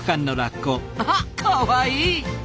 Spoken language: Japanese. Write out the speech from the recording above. あはっかわいい！